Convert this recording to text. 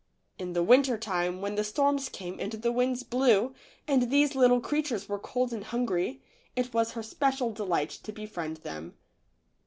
In the winter time, when the storms came and the winds blew, and these little creatures were cold and hungry, it was her special delight to befriend them.